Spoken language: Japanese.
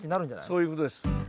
そういうことです。